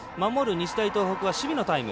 日大東北は守備のタイム。